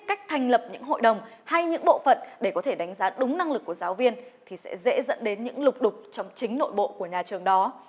cách thành lập những hội đồng hay những bộ phận để có thể đánh giá đúng năng lực của giáo viên thì sẽ dễ dẫn đến những lục đục trong chính nội bộ của nhà trường đó